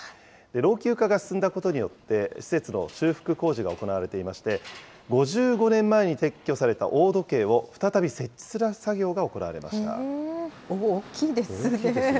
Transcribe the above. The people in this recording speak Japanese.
老朽化が進んだことによって、施設の修復工事が行われていまして、５５年前に撤去された大時計を再び設置する作業が行われました。